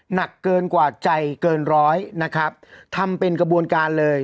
หนักเกินกว่าใจเกินร้อยนะครับทำเป็นกระบวนการเลย